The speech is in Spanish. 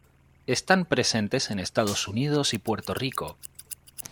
Están presentes en Estados Unidos y Puerto Rico.